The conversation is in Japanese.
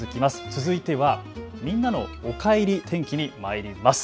続いては、みんなのおかえり天気にまいります。